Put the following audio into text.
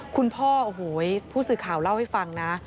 คุณพ่อโอ้โหผู้สื่อข่าวเล่าให้ฟังนะ